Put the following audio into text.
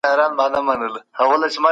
که د ځواکونو ګټي ټکر سي کشمکش رامنځته کېږي.